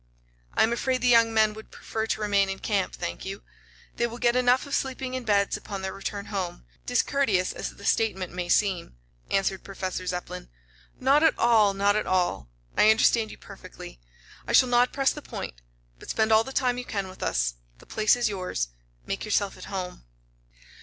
"I am afraid the young men would prefer to remain in camp, thank you. They will get enough of sleeping in beds upon their return home, discourteous as the statement may seem," answered Professor Zepplin. "Not at all not at all. I understand you perfectly. I shall not press the point. But spend all the time you can with us. The place is yours. Make yourselves at home."